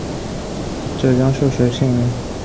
浙江秀水县人。